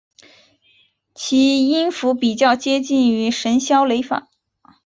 其符箓比较接近于神霄雷法。